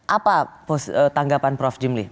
apa tanggapan prof jimli